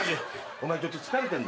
お前ちょっと疲れてんだ。